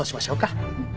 うん。